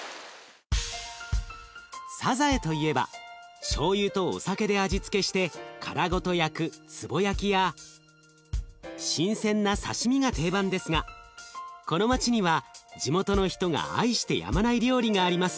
さざえといえばしょうゆとお酒で味付けして殻ごと焼くつぼ焼きや新鮮な刺身が定番ですがこの町には地元の人が愛してやまない料理があります。